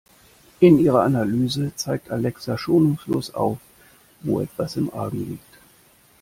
In ihrer Analyse zeigt Alexa schonungslos auf, wo etwas im Argen liegt.